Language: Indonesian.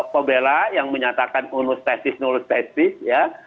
pebela yang menyatakan unus testis nulus testis ya